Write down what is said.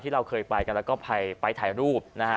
เราเคยไปกันแล้วก็ไปถ่ายรูปนะฮะ